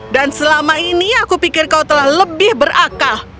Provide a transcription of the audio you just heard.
dan selama ini aku pikir kau telah lebih berakal